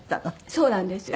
そうなんです。